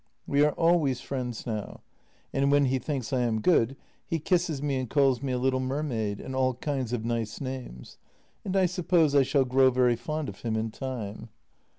We are always friends now, and when he thinks I am good, he kisses me and calls me a little mermaid and all kinds of nice names, and I suppose I shall grow very fond of him in time.